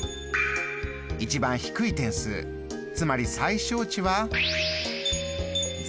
一番低い点数つまり最小値は０。